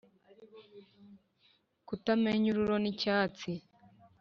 kutamenya ururo n’icyatsi